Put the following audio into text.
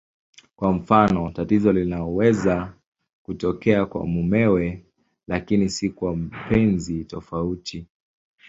Kwa mfano, tatizo linaweza kutokea kwa mumewe lakini si kwa mpenzi tofauti.